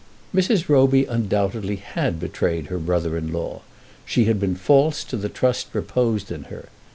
Mrs. Roby undoubtedly had betrayed her brother in law. She had been false to the trust reposed in her.